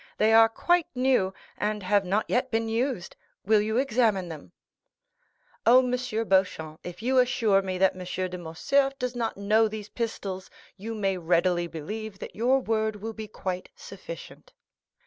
They are quite new, and have not yet been used. Will you examine them." "Oh, M. Beauchamp, if you assure me that M. de Morcerf does not know these pistols, you may readily believe that your word will be quite sufficient."